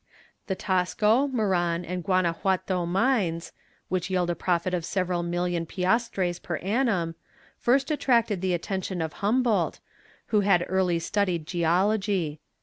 The Tasco, Moran, and Guanajuato mines, which yield a profit of several million piastres per annum, first attracted the attention of Humboldt, who had early studied geology.